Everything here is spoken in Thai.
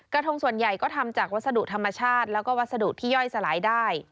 ทงส่วนใหญ่ก็ทำจากวัสดุธรรมชาติแล้วก็วัสดุที่ย่อยสลายได้